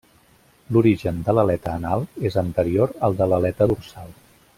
L'origen de l'aleta anal és anterior al de l'aleta dorsal.